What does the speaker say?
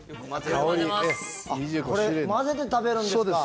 これ混ぜて食べるんですか。